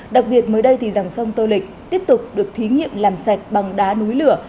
đặc biệt mới đây thì dòng sông tô lịch tiếp tục được thí nghiệm làm sạch bằng đá núi lửa